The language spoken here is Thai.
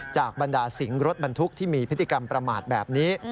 บรรดาสิงห์รถบรรทุกที่มีพฤติกรรมประมาทแบบนี้